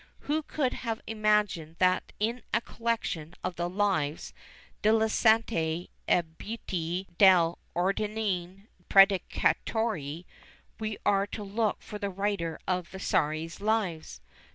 Who could have imagined that in a collection of the lives de' Santi e Beati dell' Ordine de' Predicatori, we are to look for the writer of Vasari's lives?